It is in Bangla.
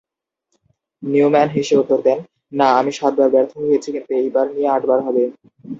নিউম্যান হেসে উত্তর দেন, "না, আমি সাতবার ব্যর্থ হয়েছি, কিন্তু এইবার নিয়ে আটবার হবে।"